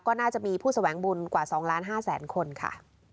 ก็น่าจะมีผู้แสวงบุญกว่า๒ล้าน๕แสนคนค่ะ